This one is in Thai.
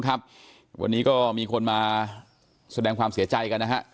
วันนี้ก็มีคนมาแสดงความเสียใจกันนะฮะ